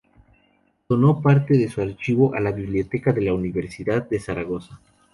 Donó parte de su archivo a la Biblioteca de la Universidad de Zaragoza.